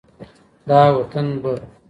دا وطن به